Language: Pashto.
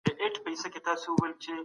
په ګناهونو کي هم د لويي نسبت کول ضرور دي.